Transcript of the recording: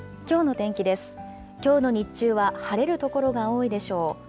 きょうの日中は晴れる所が多いでしょう。